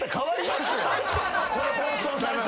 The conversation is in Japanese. これ放送されたら。